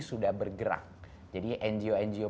sudah bergerak jadi ngo ngo